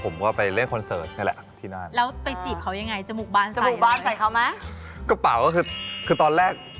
ไม่ห่วงเขาก็ไปดูครับ